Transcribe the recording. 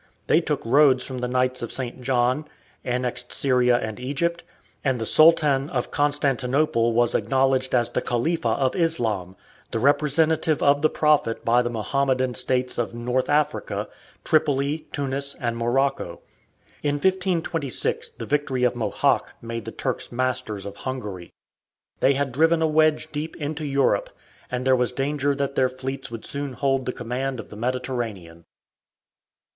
They took Rhodes from the Knights of St. John, annexed Syria and Egypt, and the Sultan of Constantinople was acknowledged as the Khalifa of Islam, the representative of the Prophet by the Mohammedan states of North Africa Tripoli, Tunis, and Morocco. In 1526 the victory of Mohacs made the Turks masters of Hungary. They had driven a wedge deep into Europe, and there was danger that their fleets would soon hold the command of the Mediterranean.